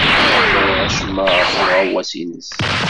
Ur ẓriɣ acemma ɣef uɣawas-nnes.